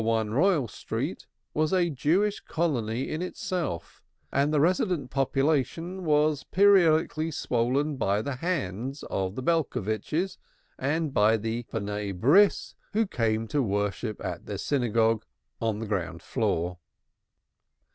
1 Royal Street was a Jewish colony in itself and the resident population was periodically swollen by the "hands" of the Belcovitches and by the "Sons of the Covenant," who came to worship at their synagogue on the ground floor.